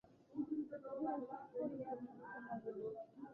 গোরা চুপ করিয়া ভাবিতে লাগিল।